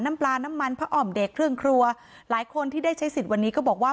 น้ำปลาน้ำมันพระอ่อมเด็กเครื่องครัวหลายคนที่ได้ใช้สิทธิ์วันนี้ก็บอกว่า